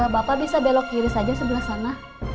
bapak bisa belok kiri saja sebelah sana